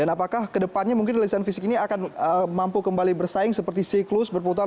apakah ke depannya mungkin kerelisan fisik ini akan mampu kembali bersaing seperti siklus berputar